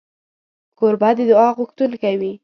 کوربه د دعا غوښتونکی وي.